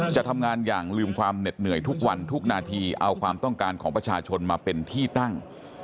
จะทำงานอย่างลืมความเหน็ดเหนื่อยทุกวันทุกนาทีเอาความต้องการของประชาชนมาเป็นที่ตั้ง